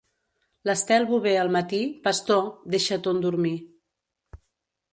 L'Estel Bover al matí, pastor, deixa ton dormir.